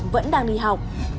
vẫn đang đi học